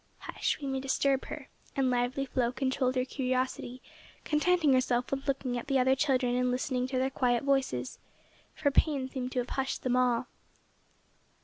"Hush, we may disturb her," and lively Flo controlled her curiosity, contenting herself with looking at the other children and listening to their quiet voices, for pain seemed to have hushed them all.